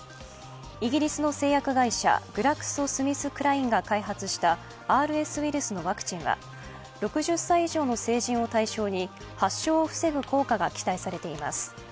イギリスの製薬会社グラクソ・スミスクラインが開発したＲＳウイルスのワクチンは、６０歳以上の成人を対象に発症を防ぐ効果が期待されています。